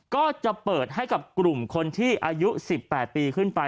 ก็จะเปิดให้กับกลุ่มคนที่อายุ๑๘ปีขึ้นไป